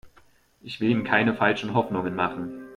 Ich will ihm keine falschen Hoffnungen machen.